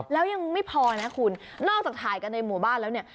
แล้วยังไม่พอนะคุณนอกจากถ่ายกันในหมู่บ้านแล้วเนี่ย